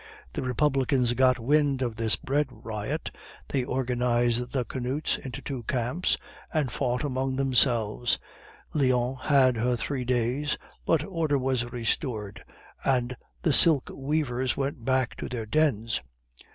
The Republicans got wind of this bread riot, they organized the canuts in two camps, and fought among themselves. Lyons had her Three Days, but order was restored, and the silk weavers went back to their dens.